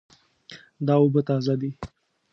دا اوبه تازه دي